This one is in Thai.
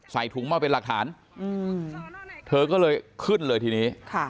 ใส่ถุงมาเป็นหลักฐานเธอก็เลยขึ้นเลยทีนี้